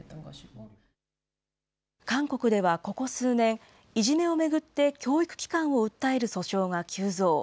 韓国ではここ数年、いじめを巡って教育機関を訴える訴訟が急増。